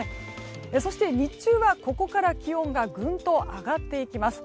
そして、日中はここから気温がぐんと上がっていきます。